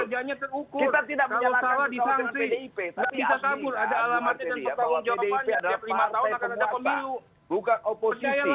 yang bikin menang pak jokowi itu partai politik